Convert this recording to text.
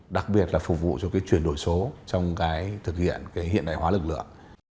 đặc biệt là phục vụ cho chuyển đổi số trong thực hiện hiện đại hóa lực lượng